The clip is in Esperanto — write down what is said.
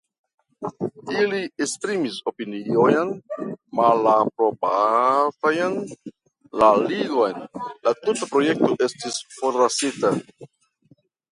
Ili esprimis opiniojn malaprobantajn la Ligon, la tuta projekto estis forlasita.